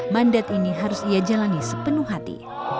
mandat ini harus ia jalani sepenuh hati